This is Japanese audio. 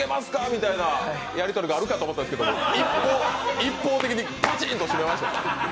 みたいなやり取りがあるかと思ったんですけど、一方的にパチンと閉めました。